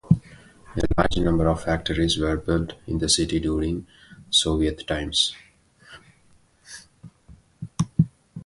A large number of factories were built in the city during Soviet times.